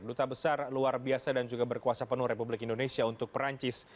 duta besar luar biasa dan juga berkuasa penuh republik indonesia untuk perancis